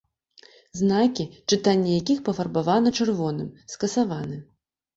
Знакі, чытанне якіх пафарбавана чырвоным, скасаваны.